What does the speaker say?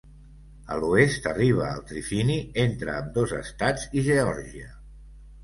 A l'oest arriba al trifini entre ambdós estats i Geòrgia.